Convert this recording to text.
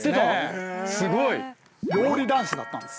すごい。料理男子だったんです。